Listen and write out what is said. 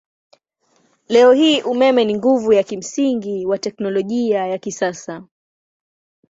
Leo hii umeme ni nguvu ya kimsingi wa teknolojia ya kisasa.